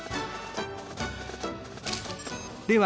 では